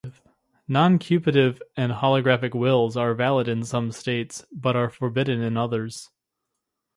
Nuncupative and holographic wills are valid in some states, but are forbidden in others.